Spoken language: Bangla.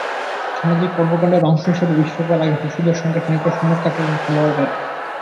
সামাজিক কর্মকাণ্ডের অংশ হিসেবে বিশ্বকাপের আগে শিশুদের সঙ্গে খানিকটা সময় কাটালেন খেলোয়াড়েরা।